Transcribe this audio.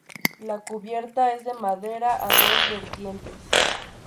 La cubierta es de madera a dos vertientes.